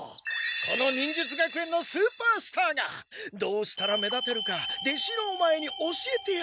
この忍術学園のスーパースターがどうしたら目立てるか弟子のオマエに教えてやろう！